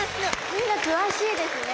みんな詳しいですね。